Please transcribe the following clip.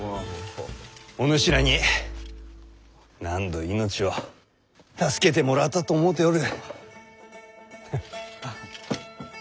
お主らに何度命を助けてもらったと思うておる。